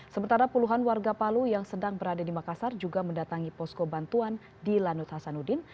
sementara puluhan warga palu yang sedang berada di makassar juga mendatangi posko bantuan di lanut hasanuddin